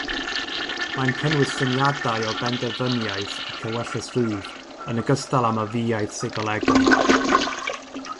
Mae'n cynnwys syniadau o benderfyniaeth ac ewyllys rydd, yn ogystal â myfïaeth seicolegol.